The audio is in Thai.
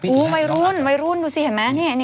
วัยรุ่นวัยรุ่นดูสิเห็นไหม